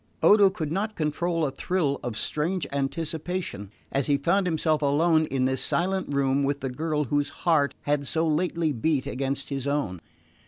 Odo could not control a thrill of strange anticipation as he found himself alone in this silent room with the girl whose heart had so lately beat against his own.